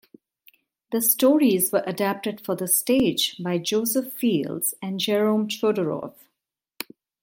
The stories were adapted for the stage by Joseph Fields and Jerome Chodorov.